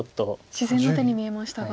自然な手に見えましたが。